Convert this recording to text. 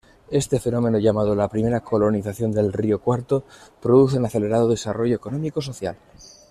Este fenómeno llamado "La Primera Colonización del Río Cuarto", produce un acelerado desarrollo económico-social.